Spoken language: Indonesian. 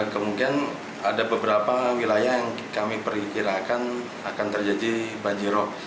kemungkinan ada beberapa wilayah yang kami perikirakan akan terjadi banjir laut